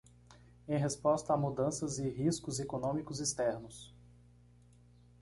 Em resposta a mudanças e riscos econômicos externos